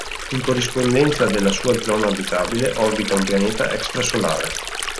In corrispondenza della sua zona abitabile orbita un pianeta extrasolare.